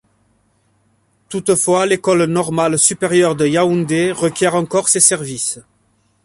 Toutefois, l’École Normale Supérieure de Yaoundé requiert encore ses services.